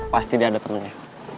pasti dia ada temennya